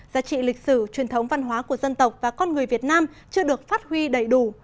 giá trị lịch sử truyền thống văn hóa của dân tộc và con người việt nam chưa được phát huy đầy đủ